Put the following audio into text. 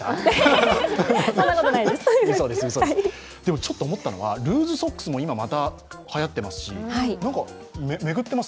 ちょっと思ったのは、ルーズソックスもまたはやってますし巡ってます？